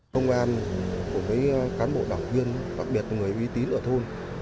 công an của các cán bộ đảng viên đặc biệt người uy tín ở thôn